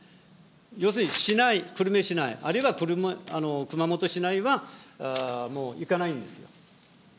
要するにしない、久留米市内、あるいは熊本市内はもう行かないんですよ。